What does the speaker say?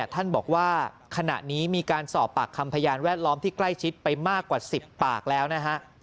ท่านบอกว่าขณะนี้มีการสอบปากคำพยานแวดล้อมที่ใกล้ชิดไปมากกว่า๑๐ปากแล้วนะฮะ